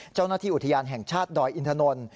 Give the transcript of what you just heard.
เจ้าหน้าที่อุทยานแห่งชาติดอยอินทนนท์